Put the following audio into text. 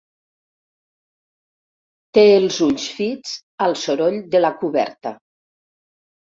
Té els ulls fits al «Soroll» de la coberta.